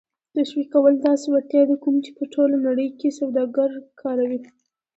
تشویقول داسې وړتیا ده کوم چې په ټوله نړۍ کې سوداگر کاروي